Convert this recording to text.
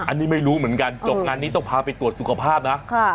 อันนี้ไม่รู้เหมือนกันจบงานนี้ต้องพาไปตรวจสุขภาพนะ